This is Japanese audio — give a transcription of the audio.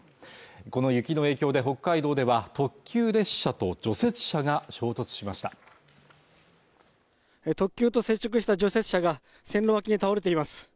この雪の影響で北海道では特急列車と除雪車が衝突しました特急と接触した除雪車が線路脇に倒れています